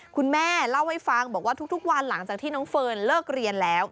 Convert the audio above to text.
คุณแม่เล่าให้ฟังบอกว่าทุกวันหลังจากที่น้องเฟิร์นเลิกเรียนแล้ว